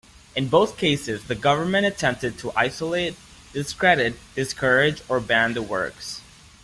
In both cases, the government attempted to isolate, discredit, discourage, or ban the works.